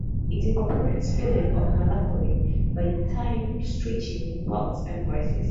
It incorporates feelings of melancholy by time stretching waltzes and voices.